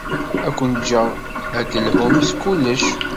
Ad ken-jjeɣ ad d-telhum s kullec.